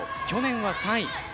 去年は３位。